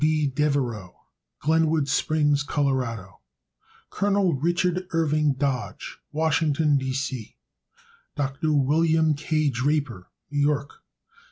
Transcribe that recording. W. B. Devereux, Glenwood Springs, Colo. Col. Richard Irving Dodge, Washington, D. C. Dr. Wm. K. Draper, New York.